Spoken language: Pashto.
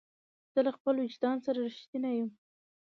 زه له خپل وجدان سره رښتینی یم.